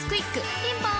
ピンポーン